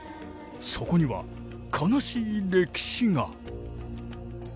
そこには悲しい歴史が。